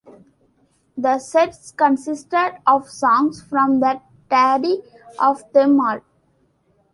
The sets consisted of songs from The Daddy Of Them All.